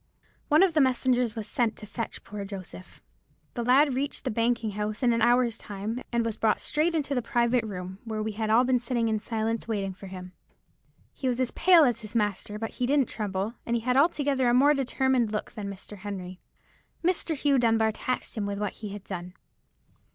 "One of the messengers was sent to fetch poor Joseph. The lad reached the banking house in an hour's time, and was brought straight into the private room, where we had all been sitting in silence, waiting for him. "He was as pale as his master, but he didn't tremble, and he had altogether a more determined look than Mr. Henry. "Mr. Hugh Dunbar taxed him with what he had done.